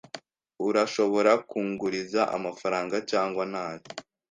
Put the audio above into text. Urashobora kunguriza amafaranga cyangwa ntayo?